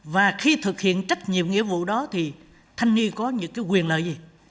và khi thực hiện trách nhiệm nghĩa vụ đó thì thanh niên có những quyền lợi gì